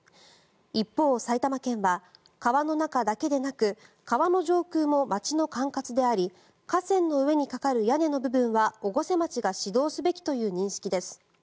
一方、埼玉県は川の中だけでなく川の上空も町の管轄であり河川の上にかかる屋根の部分は越生町が指導すべきという認識です。